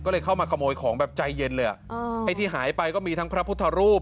ก็เลยเข้ามาขโมยของแบบใจเย็นเลยอ่ะไอ้ที่หายไปก็มีทั้งพระพุทธรูป